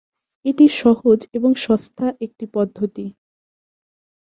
এটি সহজ এবং সস্তা একটি পদ্ধতি।